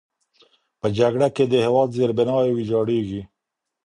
په جګړه کې د هېواد زیربناوې ویجاړېږي.